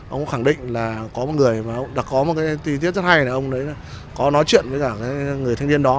ông khẳng định là có một người đã có một cái tí tiết rất hay là ông đấy có nói chuyện với cả người thanh niên đó